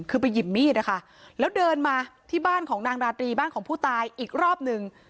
คือไปหยิบมีดนะคะแล้วเดินมาที่บ้านของนางราตรีบ้านของผู้ตายอีกรอบหนึ่ง